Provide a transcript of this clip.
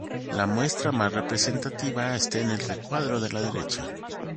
La muestra más representativa está en el recuadro de la derecha.